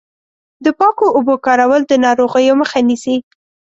د پاکو اوبو کارول د ناروغیو مخه نیسي.